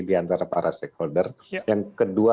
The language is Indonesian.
diantara para stakeholder yang kedua